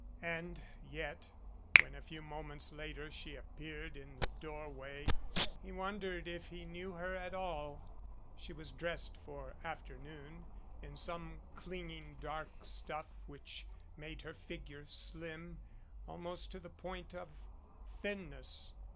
And yet when a few moments later she appeared in the doorway he wondered if he knew her at all. She was dressed for afternoon in some clinging dark stuff which made her figure slim almost to the point of thinness.